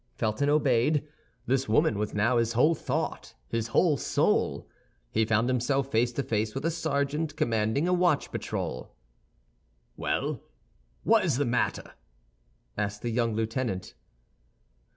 Felton obeyed; this woman was now his whole thought, his whole soul. He found himself face to face with a sergeant commanding a watch patrol. "Well, what is the matter?" asked the young lieutenant.